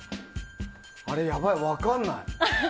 あれ、やばい分かんない。